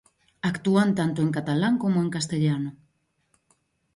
Actúan tanto en catalán como en castellano.